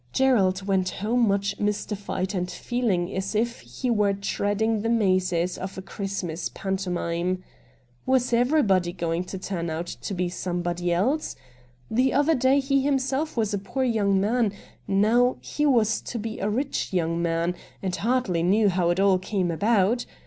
Gerald went home much mystified and feehng as if he were treading the mazes of a Christmas pantomime. Was everybody going to turn out to be somebody else ? The other day he himself was a poor young man — now he was to be a rich young man, and hardly knew how it all came about.